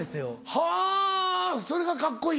はぁそれがカッコいい？